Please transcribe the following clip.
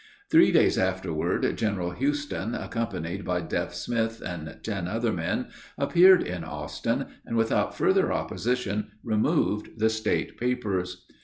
Three days afterward, General Houston, accompanied by Deaf Smith and ten other men, appeared in Austin, and, without further opposition, removed the state papers.